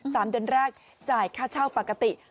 สามเดือนแรกจ่ายค่าเช่าปกติ